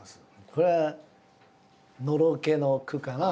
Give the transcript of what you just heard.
これはのろけの句かな？